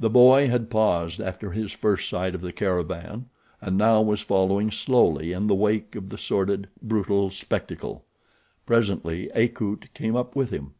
The boy had paused after his first sight of the caravan, and now was following slowly in the wake of the sordid, brutal spectacle. Presently Akut came up with him.